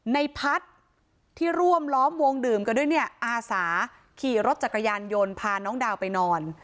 ในพัฒน์ที่ร่วมล้อมวงดื่มกันด้วยเนี่ยอาสาขี่รถจักรยานยนต์พาน้องดาวไปนอน